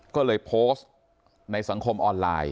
ก็เลยโพสต์ในสังคมออนไลน์